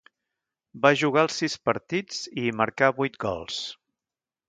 Va jugar els sis partits, i hi marcà vuit gols.